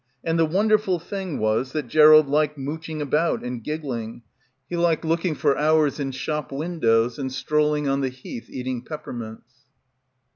And the wonderful thing was that Gerald liked mouching about and giggling. He liked looking for hours in shop — 200 — BACKWATER windows and strolling on the Heath eating peppermints.